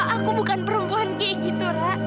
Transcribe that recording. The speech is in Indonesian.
aku bukan perempuan kayak gitu rak